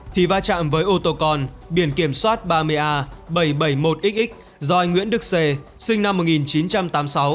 thì va chạm với ô tô con biển kiểm soát ba mươi a bảy trăm bảy mươi một xx do anh nguyễn đức xê sinh năm một nghìn chín trăm tám mươi sáu